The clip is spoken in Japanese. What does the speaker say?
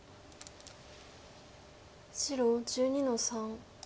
白１２の三ツギ。